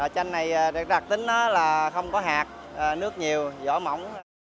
chanh này được đặc tính là không có hạt nước nhiều giỏ mỏng